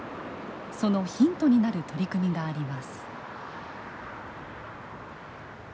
そのヒントになる取り組みがあります。